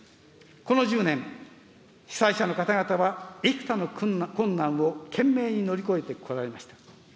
この１０年、被災者の方々は幾多の困難を懸命に乗り越えてこられました。